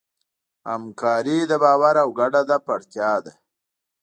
همکاري د باور او ګډ هدف اړتیا ده.